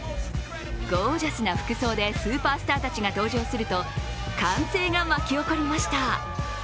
ゴージャスな服装でスーパースターたちが登場すると歓声が巻き起こりました。